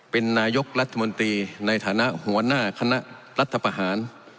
เป็นนายกรัฐมนตรีในฐานะหัวหน้าคณะรัฐประหาร